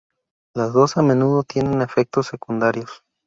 Los dos a menudo tienen efectos secundarios.